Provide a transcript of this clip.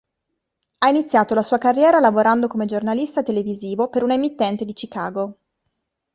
Ha iniziato la sua carriera lavorando come giornalista televisivo per una emittente di Chicago.